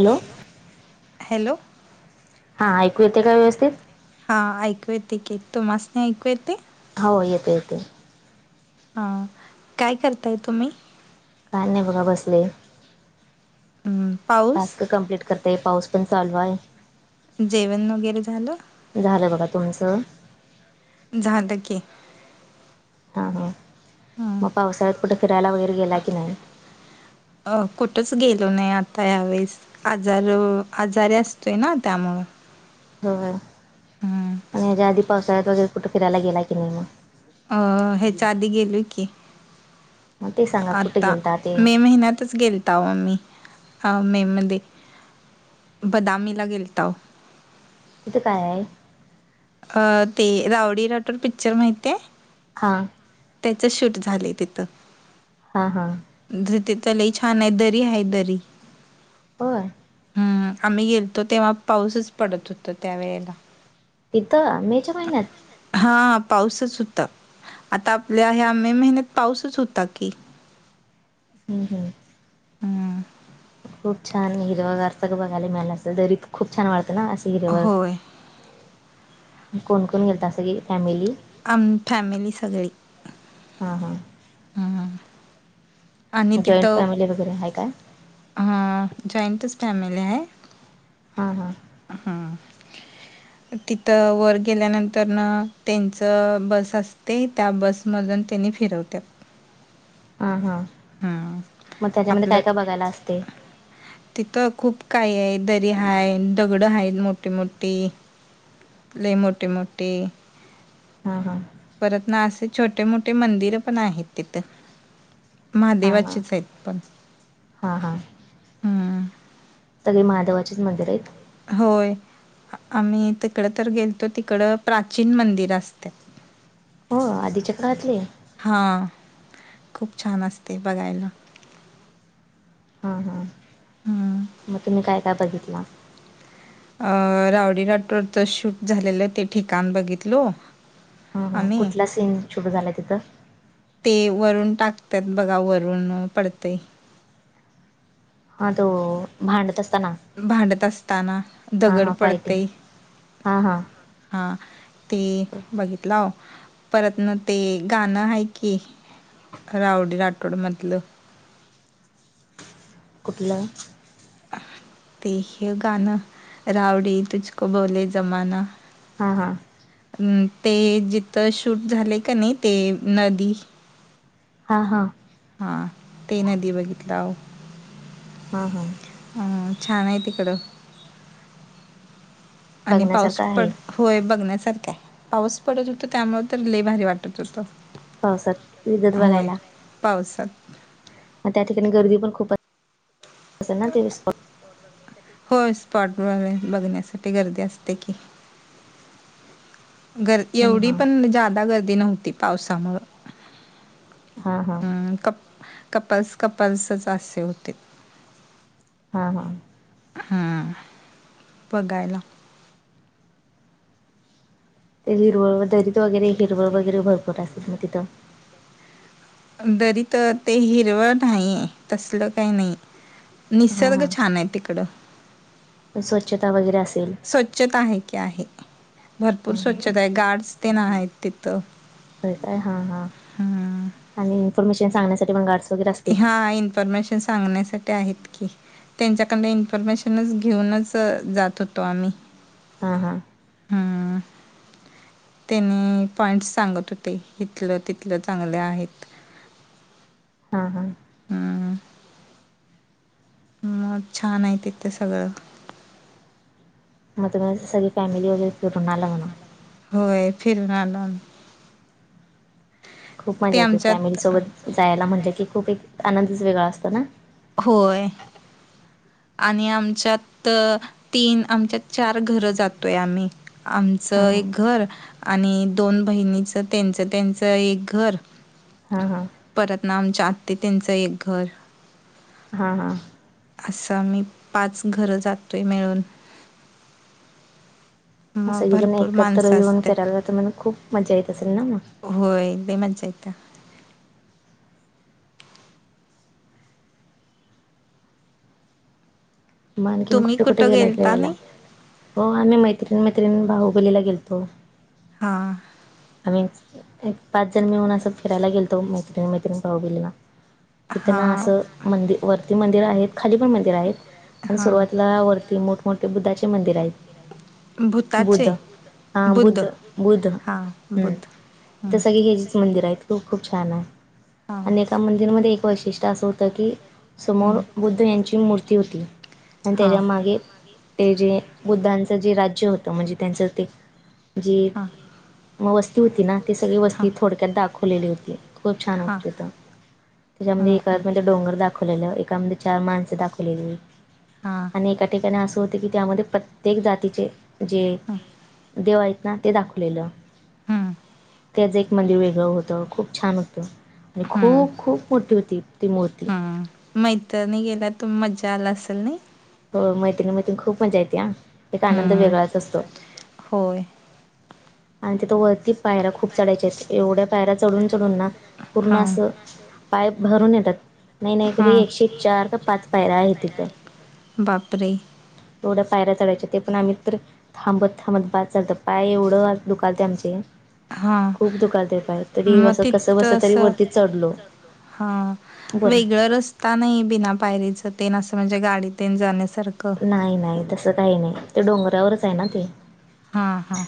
Hello. Hello. हा, ऐकू येतय का व्यवस्थित? हा, ऐकू येतय की, तुमास नी ऐकू येतय? हो येतोय येतोय. हा, काय करताय तुम्ही? काय नाय बघा, बसलेय. हम्म पाऊस टास्क कमप्लीट करतेय. पाऊस पण चालू आहे. जेवण वगैरे झालं? झालं बघा, तुमचं? झाल की. हां, ह, हं. मग पावसाळ्यात कुठे फिरायला वगैरे गेला की नाही? अ कुठंच गेलो नाही. आता यावेेळेस. आजार आजारी असतोय ना, त्यामुळं. ह ह. हम्म आणि ह्याच्या्या आधी पावसाळ्यात वगैरे कुठं फिरायला गेला की नाही म? अ, ह्याच्या आधी गेलोय की. मग ते सांगा कुठे आता गेलता ते मे महिन्यातच गेल तो आम्ही. अ मे मध्ये. बदामीला गेलताओ. तिथे काय आहे? अ ते रावडी राठोर पिक्चर माहितीये? हा. त्याचं शूट झाले तिथं. हा हा. त तीथ लई छाने. दरी हाये दरी. होय? हम्म आम्ही गेलतो तेव्हा पाऊसच पडत होतो. त्या वेळेला. तीथं मेच्या महिन्यात. हा पाऊसच होता. आता आपल्या ह्या मे महिन्यात पाऊसच होता की. हम्म हम्म. हम्म. खूप छान हिरव गार सर्व बघायला मिळाणार असल. दरीत खूप छान वाटतं ना अस हिरव. होय कोण कोण गेलता? सगळी फॅमिली? आम फॅमिली सगळी. हा हा. हम्म आणि जॉईंट तिथं फॅमिली वगैरे आहे काय? ह जॉईंटच फॅमिली आहे हा हा हा तिथं वर गेल्यानंतर न त्यांचं बस असते त्या बस मधून त्यांनी फिरवत्या हा हा हम्म मग त्याच्यामध्ये आपलं काय काय बघायला असते तिथं खूप काही आहे दर्या आहे दगडं आहेत मोठीे मोठीे ल मोठे मोठे हा हा परत ना असे छोटे मोठे मंदिर पण आहेत तिथं हां हां महादेवाचेच आहेत पण हां हां हं. सगळी महादेवाचेच मंदिर आहेत होय आम्ही तिकड तर गेलतो तिकड प्राचीन मंदिर असत हो आधीच्या काळातले हां खूप छान असते बघायला हां हां हं. मग तुम्ही काय काय बघितला अ रावडी राठोडच शूट झालेलं ते ठिकाण बघितल ह कुठला सीन शूट झालाय तिथं ते वरून टाकतात बघा वरून पडतंय हा तो भांडत असताना भांडत असताना हां दगड हां फायटिंग पडते हां हां हा ते बघितित लाव परत ना ते गाणं आहे की रावडी राठोड म्हधलं कुठलं ते ह गणं रावडी तुझक भोवले जमाना हा हा अम ते जिथं शूट झाले का नाही ते नदी हा हा हा ते नदी बघितलं हो हा हा अ छान आहे तिकडं आणि पाऊस बघण्यासारखं आहे पड होय बघण्यासारखा आहे पाऊस पडत होत त्यामु तर लले भारीी वाटत होत पावसात विदत बघायला पावसात मग त्या ठिकाणी गर्दी पण खूप अस ना ते होय स्पॉट व बघण्यासाठी गर्दी असते की गर् हां एवढी हां पण जादा गर्दी नव्हती पावसामुळ हा हा कप कपल्स कपल्सच असे होते हा हा हा.... बघायला. ते हिरवळ- दरित वगैरे हिरवळ वगैरे भरपूर असत्यात मग तिथं. दरीत ते हिरवळ नाहीये तसलं काही नाही. हा निसर्ग हा छान आहे तिकडं. स्वच्छता वगैरे असेल? स्वच्छता आहे की आहे भरपूर स्वच्छता आहे गार्ड्स तेना आहेत तिथं. होय काय हां -हां हां आणि इन्फॉर्मेशन सांगण्यासाठी मग गार्ड्स? वगैरे असतील हा इन्फॉर्मेशन सांगण्यासाठी आहेत की. त्यांच्याकडन इन्फॉर्मेशनच घेऊनच जात होतो आम्ही. हा- हा. हा.... तेनी पॉइंट्स सांगत होते इिथलं -तिथलं चांगले आहेत. हा- हा. हम्म. म छान आहे तिथं सगळं. मग तुम सगळी फॅमिली वगैरे फिरून आला म्हणा. होय फिरुन आलो आम्ही. खूप ते मजा येते आमच्यात फॅमिलीसोबत जायला म्हटलं की खूप एक आनंदच वेगळा असतो ना? होय. आणि आमच्यात तीन आमच्यात चार घरं जातोय आम्ही. हां आमचं हां एक घर आणि दोन बहिणीच तेंच- तेंच एक घर. हा- हा. परत ना आमच्या आत्ती तेंच एक घर. हा -हा असं आम्ही पाच घरं जातोय मिळून. म मग सगळीजण भरपूर एकत्र माणसं येऊन असतात फिरायला तर मग खूप मज्जा येत असेल ना मग? होय लय मज्जा येत्या. म आणखीन तुम्ही कुठं- कुठं गेलाय गेलता फिरायला? नाही हो, आम्ही मैत्रीण- मैत्रिण बाहुबलीला गेलतो. हा. आम्हीज् एक पाच जण मिळून असं फिरायला गेलतो मैत्रिण- मैत्रिण बाहुबलीला. तिथ हा ना असं मंदि- वरती मंदिर आहेत, खाली पण मंदिर आहेत. पण हा सुरुवातीला वरती मोठमोठे बुद्धाचे मंदिर आहेत. बुध्द भूताचे हा बुद्ध बुध्द- बुध्द. हा बुद्ध. हम्म हे गेजीच [unintelligible] मंदिर आहेत. खूप- खूप छान आहे. हा आणि एका मंदिरमध्ये एक वैशिष्ट्य असं होत की समोर हम्म बुद्ध यांची मूर्ती होती होती आणि त्याच्या हां मागे ते जे बुद्धांचं जे राज्य होतं म्हणजे त्यांचं ते जी हां म वस्ती होती ना ती सगळी हां वस्ती थोडक्यात दाखवलेली होती खूप छान होत हां तिथं. त्याच्यामध्ये हां एकामध्ये डोंगर दाखवलेलं, एकामध्ये चार माणसं दाखवलेली. हा. आणि एका ठिकाणी असं होत की त्यामध्ये प्रत्येक जातीचे जे हां देव हायत ना ते दाखवलेलं. हम्म तेज एक मंदिर वेगळं होतं, खूप छान होतं. आणि हम्म खूप -खूप मोठी होती ती मूर्ती. मैतरणी गेल्या तू मजा आला असेल नय? हो मैत्रिणी -मैत्रिणी खूप मज्जा येत्या. एक आनंद वेगळाच असतो. होय. आणि तिथ वरती पायऱ्या खूप चढायच्या असत्यात. एवढ्या पायऱ्या चढून चढून ना पूर्ण हां असं पाय भरून येतात. नाही नाही तरी हां एकशे चार काय पाच पायरा आहे तिथं. बापरे! एवढ्या पायऱ्या चढायच्या ते पण आम्ही तर थांबत थांबत बास झालंत पाय एवढं दुखालते आमचे हां. खूप दुखालते पाय तरी आहे कसं असं कस बस तरी वरती चढलो. हा बोला वेगळं रस ता नाही बिना पायरीच तेन असं म्हणजे गाडीतेन जाण्यासारखं. नाही नाही तसं काही नाही ते डोंगरावरच आहे ना ते. हा हा.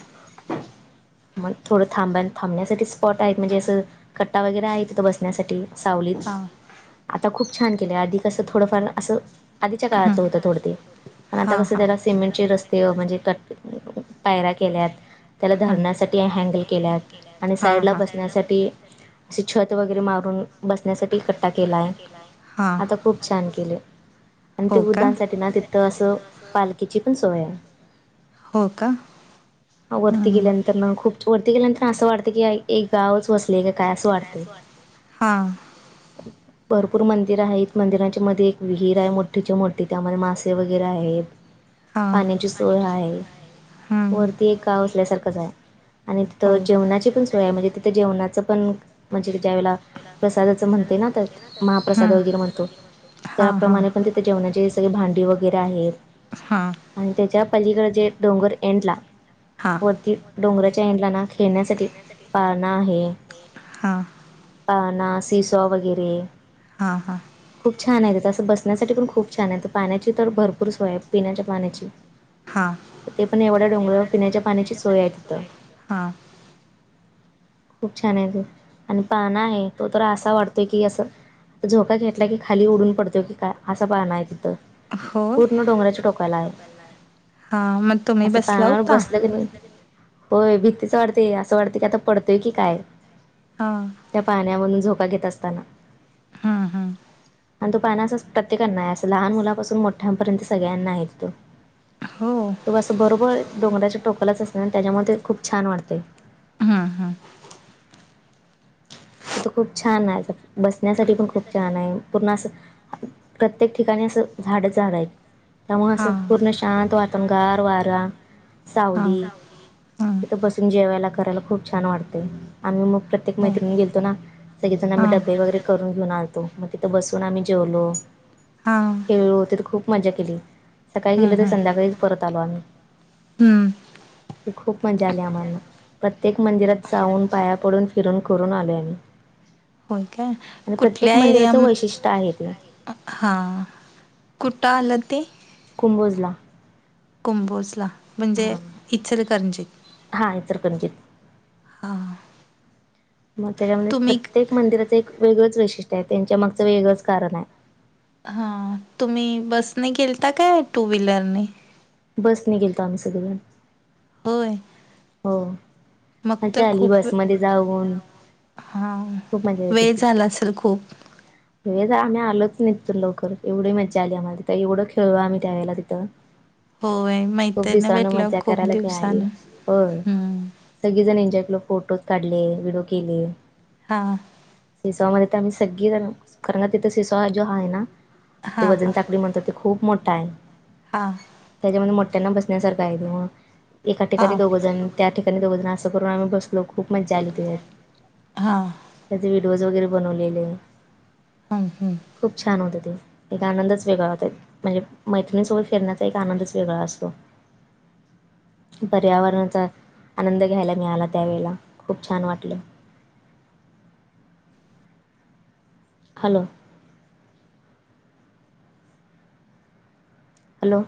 मग थोडं थांब थांबण्यासाठी स्पॉट आहेत म्हणजे असं कट्टा वगैरे आहे तिथं बसण्यासाठी सावलीत. हां आता खूप छान केले. आधि कसं थोडंफार असं आधीच्या हं काळातलं होतं थोडं ते. पण आता हां कसं हां. त्याला सिमेंटचे रस्ते व म्हणजे पायऱ्या केल्यात त्याला हं. धरण्या साठी हँडल केल्यात आणि हां साईडला हां. बसण्यासाठी असे छत वगैरे मारून बसण्यासाठी कट्टा केला आहे. हां. आता खूप छान केले. आणि ते हो का? वृद्धांसाठी ना. तिथं असं पालखीची पण सोय हाय. आहे. हो का? वरती गेल्या खूप वरती गेल्यानंतर असं वाटते की एक गावच वसलेल काय असं वाटते. हा [unintelligible] भरपूर मंदिर आहेत. मंदिरांच्या मध्ये एक विहीर आहे मोठीच्या मोठी त्यामध्ये मासे वगैरे आहेत. ह. [unintelligible] पाण्याची सोय आहे. हम्म वरती एक गाव असल्यासारखंच आहे. आणि तिथं हो. जेवणाची पण सोय आहे. म्हणजे तिथं जेवणाचं पण म्हणजे ज्या वेळेला, प्रसादाचं म्हणते ना तर महाप्रसाद वगैरे म्हणतो. त्याप्रमाणे पण तिथे जेवणाचे सगळे भांडी वगैरे आहे. हां आणि त्याच्या पलीकडं जे डोंगर एंडला हां वरती डोंगराच्या एंडला खेळण्यासाठी पाळणा आहे. हां. पाळणा, सि सो वगैरे. हां हां. खूप छान आहे. तिथं असं बसण्यासाठी पण खूप छान आहे. तर पाण्याची तर भरपूर सोय पिण्याच्या पाण्याची. हां ते पण एवढ्या डोंगरावर पिण्याच्या पाण्याची सोय आहे तिथं. हां. खूप छान आहेेत आणि पाळणा आहे. तो तर असा वाटतोय की असं. झोका घेतला की खाली उडून पडतो की काय. असा पाळणा आहे तिथं. हो पूर्ण डोंगराच्या टोकाला आहे. हा मग तुम्ही असं बसला पाळणावर होता? बसलं की नाही. होय, भीतीच वाटतेय. असं वाटते की आता पडतोय की काय. हा. त्या पाळण्यामधून झोका घेत असताना. हा हा. आणि तो पाळणा असं प्रत्येकांना आहे. असं लहान मुलापासून मोठ्यांपर्यंत सगळ्यांना आहे तिथं. हो. तो असं बरोबर डोंगराच्या टोकालाच असणं आणि त्याच्यामध्ये ते खूप छान वाटते. हा हा. तो खूप छान आहे असं. बसण्यासाठी पण खूप छान आहे पूर्ण असं प्रत्येक ठिकाणी असं झाडच झाड हाईत. त्यामुळं हा. असं पूर्ण शांत वातावरण गार वारा, वारा सावली. तिथं बसून जेवायला करायला खूप छान वाटतय आम्ही म प्रत्येक मैत्रीण गेलतो ना. सगेजण आम्ही डबे वगैरे करून घेऊन आलतो म तिथं बसून आम्ही जेवलो. हा. खेळलो तिथं खूप मजा केली सकाळी गेल ते संध्याकाळीच परत आलो आम्ही. आम्ही. हम्म. ती खूप मजा आली आम्हाला प्रत्येक मंदिरात जाऊन पाया पडून. फिरून करून आलोय आम्ही होय काय आणि प्रत्येक मंदिराच वैशिष्ट्य आहे ते. हां, कुठ आलं ते. कुंबोजला. कुंबोजला, म्हणजे इचरकरंजीत? हा इचलकरंजीत. हा म त्याच्यामध्ये तुम्ही प्रत्येक मंदिराचं एक वेगळंच वैशिष्ट्य आहे त्यांच्या मागचं वेगळंच कारण आहे. हा तुम्ही बसने गेलता काय टू व्हीलरनी? बस ने गेलतो आम्ही सगेजण. होय. हो मग मज्जा आली बसमध्ये जाऊन. हां खूप मजा वेळ झाला असेल खूप? वेळ झाला आम्ही आलोच नाही तिथून लवकर एवढी मज्जा आली आम्हाला तिथ एवंढ खेळलो आम्ही त्या वेळेला तिथं. होय खूप मैतरणी दिवसानं भेटल्या व मज्जा खूप करायला मिळाली दिवसान. होय हम्म सगळीजण एंजॉय केलो फोटोज काढले व्हिडिओ केले. हां. सिसोवामध्ये तर आम्ही सगळीजण खरं ना तिथे सिसोवा जो हाय ना ते हा वजनताकडी म्हणतात ते खूप मोठा आहे. हां. त्याच्यामध्ये मोठ्यांना बसण्यासारखा आहे ग म, एका हा ठिकाणी दोघंजण. त्या ठिकाणी दोघजण असं करून आम्ही बसलो खूप मज्जा आली तेज्यात. हा त्याचे व्हिडिओज वगैरे बनवलेले. हां हमम. खूप छान होतं ते. एक आनंदच वेगळा होता म्हणजे मैत्रिणीसोबत फिरण्याचा एक आनंदच वेगळा असतो. पर्यावरणाचा आनंद घ्यायला मिळाला त्यावेळेला, खूप छान वाटलं. हॅलो. हॅलो.